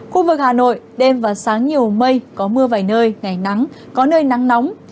khu vực hà nội đêm và sáng nhiều mây có mưa vài nơi ngày nắng có nơi nắng nóng